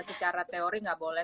secara teori gak boleh